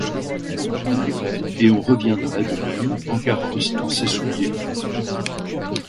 On irait et on reviendrait de même, en carrosse dans ses souliers.